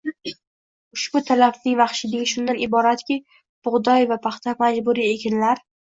Ushbu talabning vahshiyligi shundan iboratki, bug‘doy va paxta majburiy ekinlar